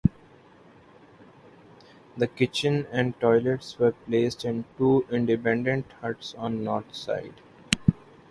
The kitchens and toilets were placed in two independent huts on the north side.